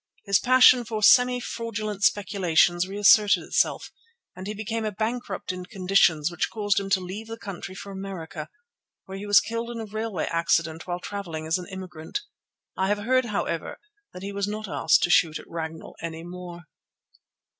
His passion for semi fraudulent speculations reasserted itself, and he became a bankrupt in conditions which caused him to leave the country for America, where he was killed in a railway accident while travelling as an immigrant. I have heard, however, that he was not asked to shoot at Ragnall any more.